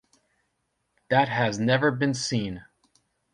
That has never been seen.